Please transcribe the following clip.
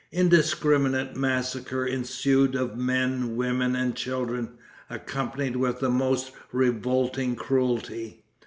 Indiscriminate massacre ensued of men, women and children, accompanied with the most revolting cruelty.